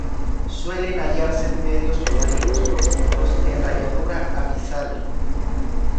Suelen hallarse en medios marinos profundos, en la llanura abisal.